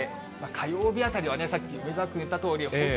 火曜日あたりはね、さっき梅澤君言ったとおり、本当、